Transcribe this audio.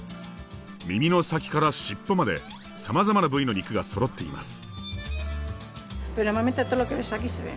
耳の先から尻尾までさまざまな部位の肉がそろっています。